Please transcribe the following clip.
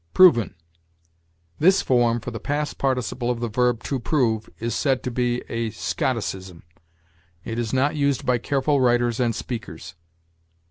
PROVEN. This form for the past participle of the verb to prove is said to be a Scotticism. It is not used by careful writers and speakers.